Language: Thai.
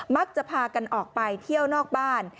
พากันออกไปเที่ยวนอกบ้าน